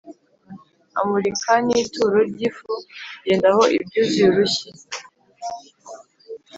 Amurika n ituro ry ifu yendaho ibyuzuye urushyi